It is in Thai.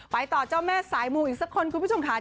ต่อเจ้าแม่สายมูอีกสักคนคุณผู้ชมค่ะ